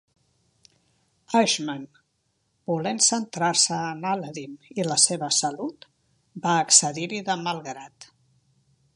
Ashman, volent centrar-se en "Aladdin" i la seva salut, va accedir-hi de mal grat.